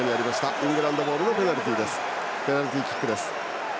イングランドボールのペナルティーキック。